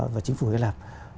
và chính phủ hy lạp